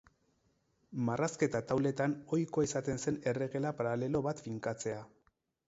Marrazketa-tauletan ohikoa izaten zen erregela paralelo bat finkatzea.